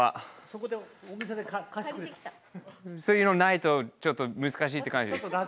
そういうのないとちょっと難しいって感じですか？